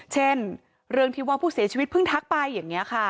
เช่นเรื่องที่ว่าพวกเสียชีวิตเพิ่งทักไป